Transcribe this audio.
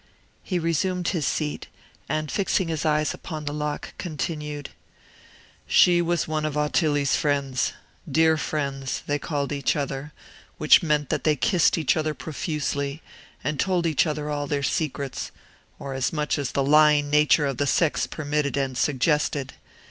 He resumed his seat, and, fixing his eyes upon the lock, continued: "She was one of Ottilie's friends dear friends, they called each other, which meant that they kissed each other profusely, and told each other all their secrets, or as much as the lying nature of the sex permitted and suggested.